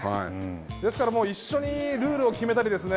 ですから、一緒にルールを決めたりですね